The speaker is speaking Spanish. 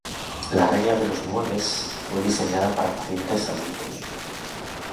La regla de los nueves fue diseñada para pacientes adultos.